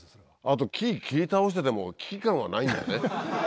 あと木切り倒してても危機感はないんだね。